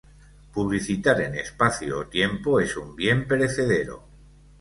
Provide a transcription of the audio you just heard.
Publicitar en espacio o tiempo es un bien perecedero.